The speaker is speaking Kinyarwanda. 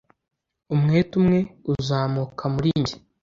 umwete umwe uzamuka muri njye